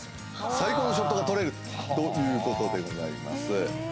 最高のショットが撮れるということでございます。